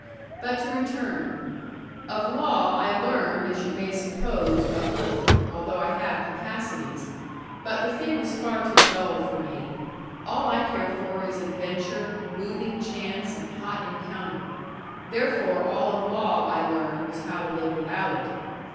But to return of law I learned as you may suppose, but little; although I have capacities. But the thing was far too dull for me. All I care for is adventure, moving chance, and hot encounter; therefore all of law I learned was how to live without it.